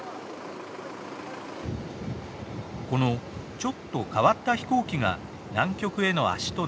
このちょっと変わった飛行機が南極への足となります。